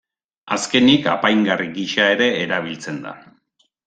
Azkenik, apaingarri gisa ere erabiltzen da.